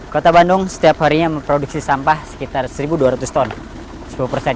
kota bandung setiap harinya memproduksi sampah sekitar satu dua ratus ton